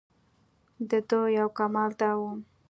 دده یو کمال دا و.